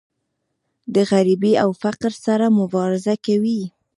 د غریبۍ او فقر سره مبارزه کوي.